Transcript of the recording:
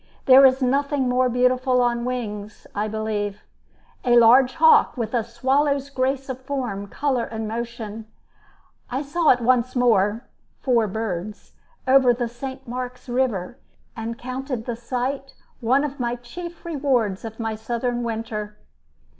There is nothing more beautiful on wings, I believe: a large hawk, with a swallow's grace of form, color, and motion. I saw it once more (four birds) over the St. Mark's River, and counted the sight one of the chief rewards of my Southern winter.